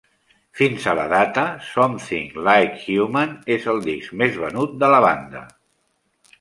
Fins a la data, "Something Like Human" és el disc més venut de la banda.